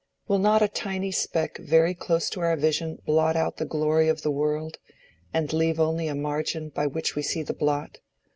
Will not a tiny speck very close to our vision blot out the glory of the world, and leave only a margin by which we see the blot?